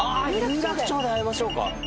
『有楽町で逢いましょう』か。